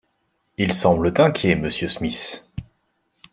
Ils semblent inquiets, monsieur Smith